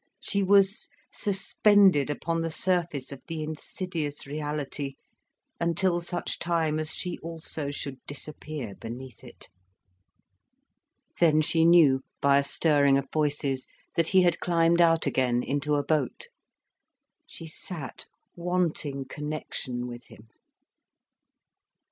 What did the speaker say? She was suspended upon the surface of the insidious reality until such time as she also should disappear beneath it. Then she knew, by a stirring of voices, that he had climbed out again, into a boat. She sat wanting connection with him.